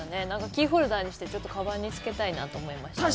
キーホルダーにしてカバンにつけたいなと思いました。